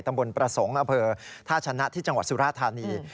ตำบลประสงค์อเผอท่าชนะที่จังหวัดสุรธานี